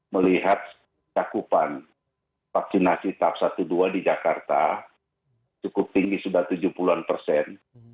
melihat cakupan vaksinasi tahap satu dua di jakarta cukup tinggi sudah tujuh puluh an persen